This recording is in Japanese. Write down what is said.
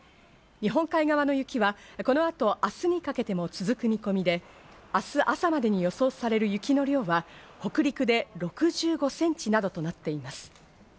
日本海側の雪は、このあと明日にかけても続く見込みで、明日朝までに予想される雪の量は、北陸で６５ｃｍなどとなっています。